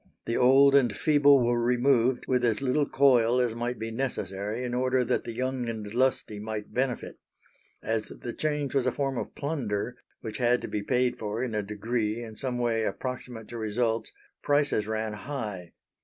The old and feeble were removed, with as little coil as might be necessary, in order that the young and lusty might benefit. As the change was a form of plunder, which had to be paid for in a degree in some way approximate to results, prices ran high.